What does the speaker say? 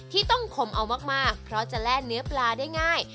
ที่ต้องขมเอามากเพราะจะแล่เนื้อปลาได้ง่าย